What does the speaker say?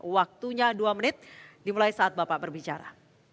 waktunya dua menit dimulai saat bapak berbicara